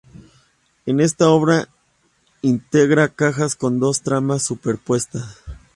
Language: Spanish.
En esta obra integra cajas con dos tramas superpuestas.